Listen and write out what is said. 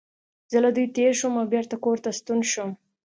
زه له دوی تېر شوم او بېرته کور ته ستون شوم.